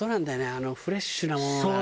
あのフレッシュなものがね。